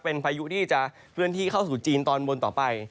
เป็นพายุที่จะเคลื่อนที่เข้าสู่จีนตอนบนต่อไป